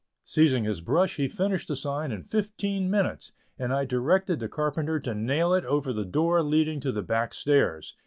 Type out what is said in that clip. Seizing his brush he finished the sign in fifteen minutes, and I directed the carpenter to nail it over the door leading to the back stairs.